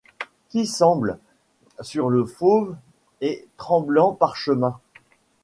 Qui semblent, sur le fauve et tremblant parchemin